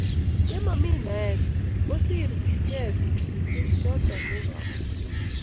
ye mami naet ko sir kee bik mising choto ko kabatik